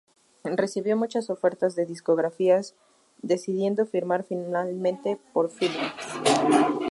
Recibió muchas ofertas de discográficas, decidiendo firmar finalmente por Philips.